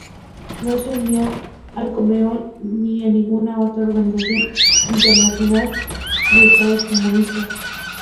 No se unió al Comecon ni a ninguna otra organización internacional de estados comunistas.